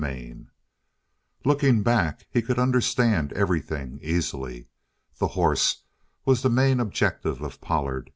CHAPTER 25 Looking back, he could understand everything easily. The horse was the main objective of Pollard.